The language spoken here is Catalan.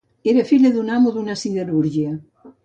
Era filla d'un amo d'una siderúrgia.